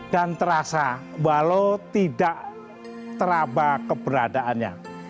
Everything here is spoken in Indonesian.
dan terasa walau tidak teraba keberadaannya